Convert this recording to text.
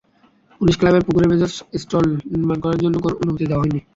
Police ক্লাবের পুকুরের ভেতর স্টল নির্মাণ করার জন্য কোনো অনুমতি নেওয়া হয়নি।